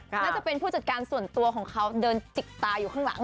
น่าจะเป็นผู้จัดการส่วนตัวของเขาเดินจิกตาอยู่ข้างหลัง